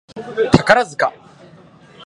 宝塚